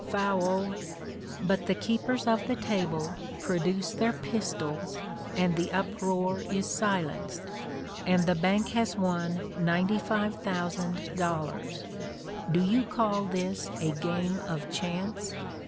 Foul!" but the keepers of the table produce their pistols and the uproar is silenced, and the bank has won ninety five thousand dollars. Do you call this a game of chance?